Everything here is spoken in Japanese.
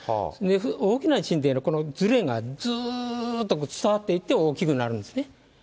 大きな地震って、このずれがずーっと伝わっていって、大きくなるんですね。